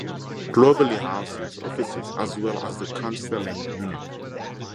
Cloverly houses offices as well as the counseling unit.